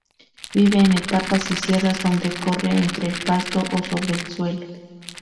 Vive en estepas y sierras, donde corre entre el pasto o sobre el suelo.